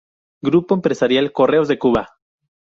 Grupo Empresarial Correos de Cuba.